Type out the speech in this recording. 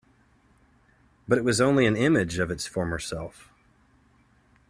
But it was only an image of its former self.